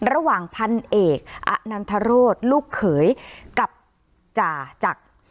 ระหว่างพันเอกอนันทรศลูกเขยกับจ่าจักร